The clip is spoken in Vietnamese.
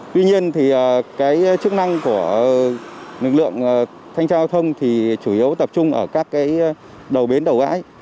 tuy nhiên thì cái chức năng của lực lượng thanh tra giao thông thì chủ yếu tập trung ở các cái đầu bến đầu gãi